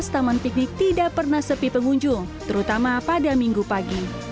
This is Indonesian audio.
taman piknik tidak pernah sepi pengunjung terutama pada minggu pagi